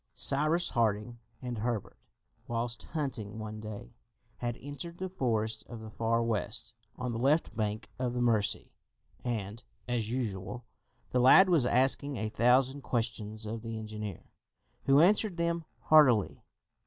Cyrus Harding and Herbert, whilst hunting one day, had entered the forest of the Far West, on the left bank of the Mercy, and, as usual, the lad was asking a thousand questions of the engineer, who answered them heartily.